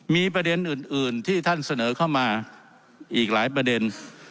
มีประเด็นอื่นที่ท่านเสนอเข้ามาอีกหลายประเด็น